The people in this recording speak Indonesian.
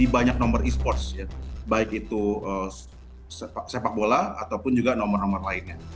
banyak nomor e sports baik itu sepak bola ataupun juga nomor nomor lainnya